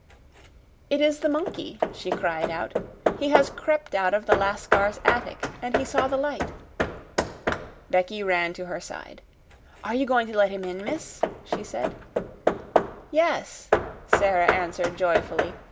"It is the monkey," she cried out. "He has crept out of the Lascar's attic, and he saw the light." Becky ran to her side. "Are you going to let him in, miss?" she said. "Yes," Sara answered joyfully.